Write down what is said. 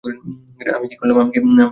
আমি কি করলাম?